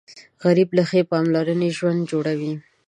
غریب له ښې پاملرنې ژوند جوړوي